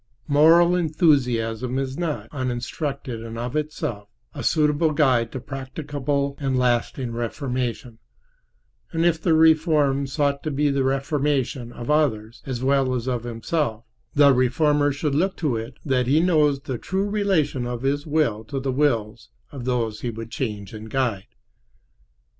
Moral enthusiasm is not, uninstructed and of itself, a suitable guide to practicable and lasting reformation; and if the reform sought be the reformation of others as well as of himself, the reformer should look to it that he knows the true relation of his will to the wills of those he would change and guide.